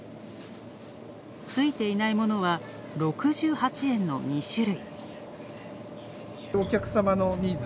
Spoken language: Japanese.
ついていないものは、６８円の２種類。